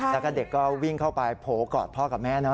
แล้วก็เด็กก็วิ่งเข้าไปโผล่กอดพ่อกับแม่เนอ